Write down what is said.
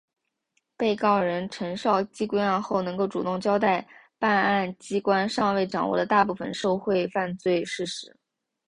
被告人陈绍基归案后能够主动交代办案机关尚未掌握的大部分受贿犯罪事实。